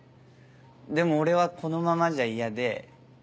でも俺はこのままじゃ嫌で。